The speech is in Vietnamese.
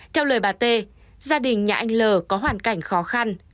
theo lời bà t gia đình nhà anh l có hoàn cảnh khó khăn